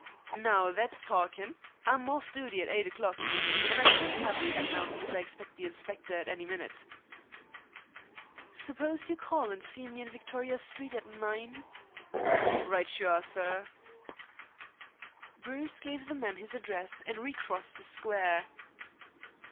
"Now, that's talkin'. I'm off duty at eight o'clock, an' I can't 'ave a chat now because I expect the inspector any minute." "Suppose you call and see me in Victoria Street at nine?" "Right you are, sir." Bruce gave the man his address and recrossed the square.